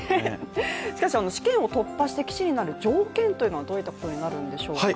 しかし試験を突破して棋士になる条件というのはどんなことになるんでしょうか。